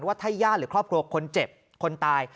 ว่าถ้าญาติหรือครอบครัวคนเจ็บคนตาย